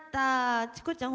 チコちゃん